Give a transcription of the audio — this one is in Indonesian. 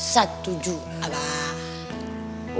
satu jujur abah